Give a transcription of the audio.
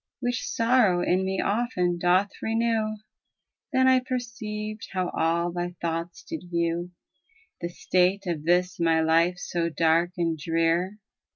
Which sorrow in me often doth renew. Then I perceived how all thy thoughts did view ^ The state of this my life so dark and drear.